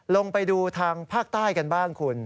ลงไปดูทางภาคใต้กันบ้างคุณ